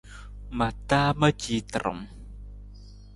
Ma taa ma ci tarung.